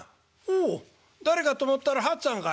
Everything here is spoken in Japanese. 「お誰かと思ったら八っつぁんかい。